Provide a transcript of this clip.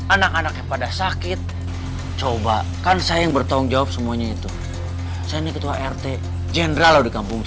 anak anak kepada sakit coba kan saya yang bertanggung jawab semuanya itu saya ketua rt general di kampung